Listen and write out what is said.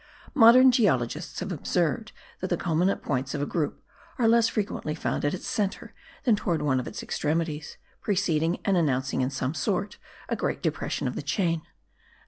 Modern geologists have observed that the culminant points of a group are less frequently found at its centre than towards one of its extremities, preceding, and announcing in some sort, a great depression* of the chain.